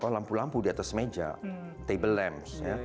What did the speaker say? lampu lampu di atas meja table lamps